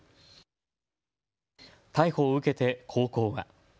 逮捕を受けて高校は。